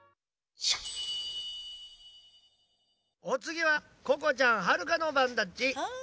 おつぎはここちゃんはるかのばんだっち。